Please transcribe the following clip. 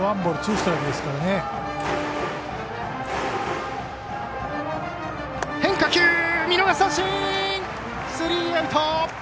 スリーアウト！